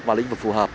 vào lĩnh vực phù hợp